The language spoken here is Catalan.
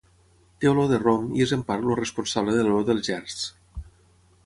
Té olor de rom i és en part el responsable de l'olor dels gerds.